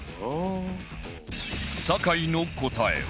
酒井の答えは